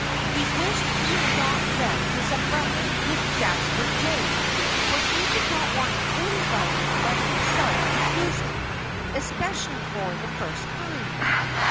He wished he had not left his umbrella with Jasper Jay, for he did not want anybody but himself to use it especially for the first time.